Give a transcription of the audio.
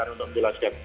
nanti untuk dijelaskan